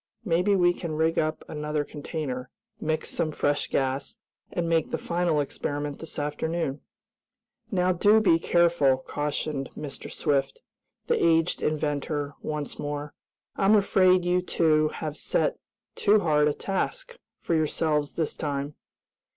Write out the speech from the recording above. "Maybe we can rig up another container, mix some fresh gas, and make the final experiment this afternoon." "Now do be careful," cautioned Mr. Swift, the aged inventor, once more. "I'm afraid you two have set too hard a task for yourselves this time."